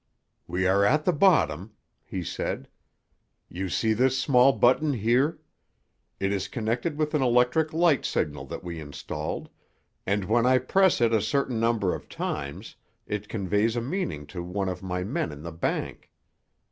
"We are at the bottom," he said. "You see this small button here? It is connected with an electric light signal that we installed, and when I press it a certain number of times it conveys a meaning to one of my men in the bank.